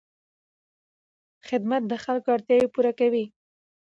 خدمت د خلکو اړتیاوې پوره کوي.